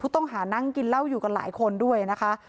ต้องหานั่งกินเหล้าอยู่กันหลายคนด้วยนะคะ